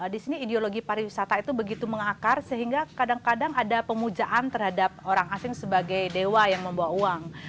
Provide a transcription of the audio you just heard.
di sini ideologi pariwisata itu begitu mengakar sehingga kadang kadang ada pemujaan terhadap orang asing sebagai dewa yang membawa uang